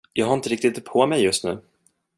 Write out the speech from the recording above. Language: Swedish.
Jag har inte riktigt det på mig just nu.